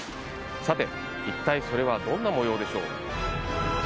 さて一体それはどんな模様でしょう？